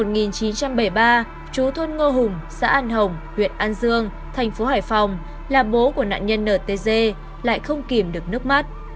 trú thôn ngô hùng xã an hồng huyện an dương thành phố hải phòng là bố của nạn nhân ntg lại không kìm được nước mắt